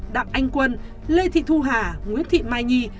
đặng anh quân lê thị thu hà nguyễn thị mai nhi